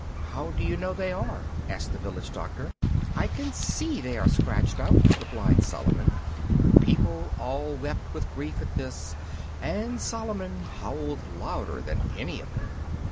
"How do you know they are?" asked the village doctor. "I can see they are scratched out!" replied Solomon; and the people all wept with grief at this, and Solomon howled louder than any of them.